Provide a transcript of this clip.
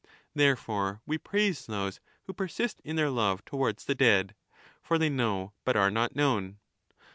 Therefore we praise those who persist in their loVe towards the dead ; for they know but are not known.